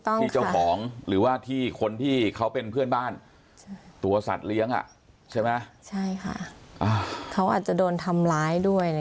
ที่เจ้าของหรือว่าคนที่เขาเป็นเพื่อนบ้านตัวสัตว์เลี้ยงเขาอาจจะโดนทำร้ายด้วย